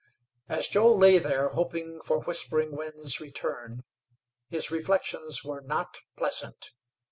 As Joe lay there hoping for Whispering Winds' return, his reflections were not pleasant.